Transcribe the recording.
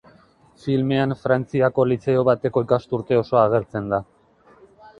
Filmean Frantziako lizeo bateko ikasturte osoa agertzen da.